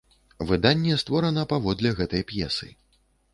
Выданне створана паводле гэтай п'есы.